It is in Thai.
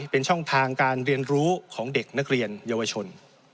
เป็นช่องทางการเรียนรู้ของเด็กนักเรียนเยาวชน